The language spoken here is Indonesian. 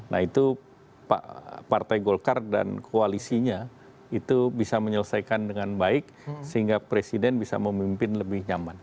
nah itu partai golkar dan koalisinya itu bisa menyelesaikan dengan baik sehingga presiden bisa memimpin lebih nyaman